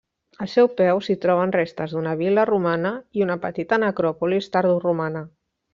Al seu peu s'hi troben restes d'una vil·la romana i una petita necròpolis tardoromana.